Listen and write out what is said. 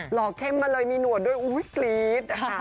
ห่อเข้มมาเลยมีหนวดด้วยอุ้ยกรี๊ดนะคะ